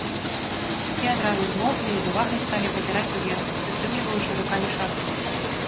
Усе адразу змоўклі і з увагай сталі пазіраць уверх, прытрымліваючы рукамі шапкі.